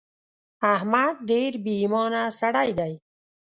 احمد ډېر بې ايمانه سړی دی.